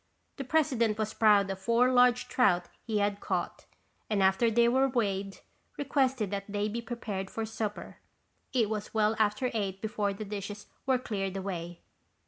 The president was proud of four large trout he had caught and after they were weighed, requested that they be prepared for supper. It was well after eight before the dishes were cleared away.